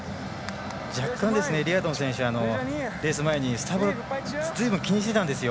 若干、リアドン選手レース前に、ずいぶん気にしていたんですよ。